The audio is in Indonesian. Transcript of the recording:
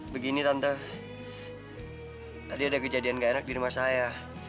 begini tante tadi ada kejadian gak enak di rumah saya